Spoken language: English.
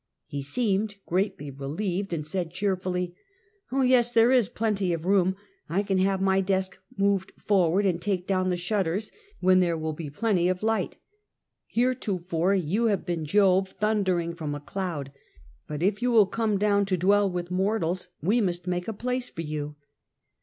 He seemed greatly relieved, and said cheerfully: " Oh yes, there is plenty of room, I can have my desk moved forward and take down the shutters, when there will be plenty of light. Heretofore you have been Jove thundering from a cloud, but if you will come down to dwell with mortals we must make a place for you."